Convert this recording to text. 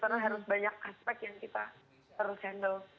karena harus banyak aspek yang kita harus handle